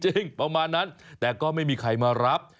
ประมาณนั้นแต่ก็ไม่มีใครมารับ